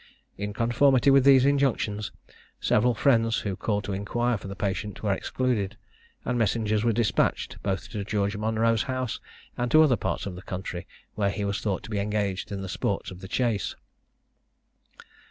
In conformity with these injunctions, several friends, who called to inquire for the patient, were excluded, and messengers were despatched, both to George Monro's house and to other parts of the country, where he was thought to be engaged in the sports of the chase.